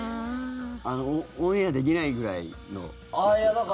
オンエアできないぐらいのやつですか？